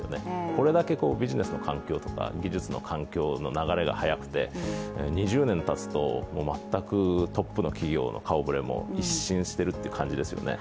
これだけビジネスの環境、技術の環境の流れが速くて２０年たつと、全くトップの企業の顔ぶれも一新している感じですよね。